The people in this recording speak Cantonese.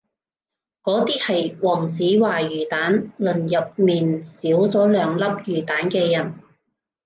嗰啲係黃子華魚蛋論入面少咗兩粒魚蛋嘅人